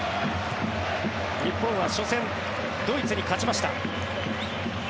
日本は初戦ドイツに勝ちました。